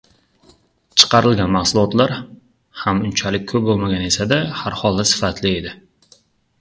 Chiqarilgan mahsulotlar ham unchalik ko‘p bo‘lmagan esa-da, har holda sifatli edi.